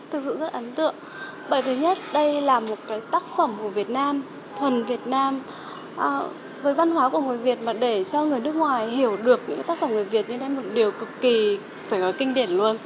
thực sự rất ấn tượng bởi thứ nhất đây là một cái tác phẩm của việt nam thuần việt nam với văn hóa của người việt mà để cho người nước ngoài hiểu được những tác phẩm người việt nên là một điều cực kỳ phải có kinh điển luôn